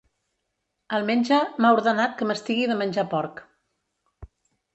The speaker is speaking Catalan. El metge m'ha ordenat que m'estigui de menjar porc.